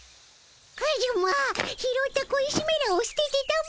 カジュマ拾った小石めらをすててたも。